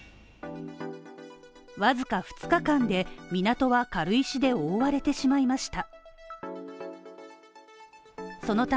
わずか２日間で、港は軽石で覆われてしまいました。